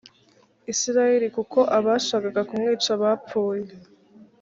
isirayeli kuko abashakaga kumwica bapfuye